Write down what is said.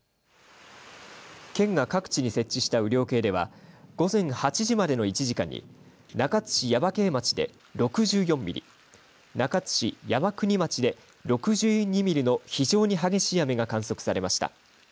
県が各地に設置した雨量計では午前８時までの１時間に中津市耶馬溪町で６４ミリ、中津市山国町で６２ミリの非常に激しい雨が観測されました。